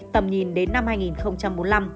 tầm như sau